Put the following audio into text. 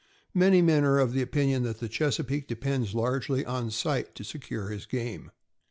Many men are of the opinion that the Chesa peake depends largely on sight to secure his game.